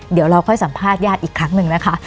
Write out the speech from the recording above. เดี๋ยวเราค่อยสัมภาษณญาติอีกครั้งหนึ่งนะคะ